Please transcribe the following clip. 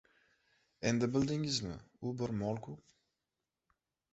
— Endi bildingizmi, u bir mol-ku!